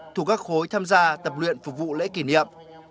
thu các khối tham gia tập luyện phục vụ lễ kỷ niệm